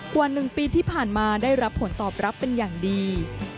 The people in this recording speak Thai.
กว่า๑ปีที่ผ่านมาได้รับผลตอบรับเป็นอย่างดี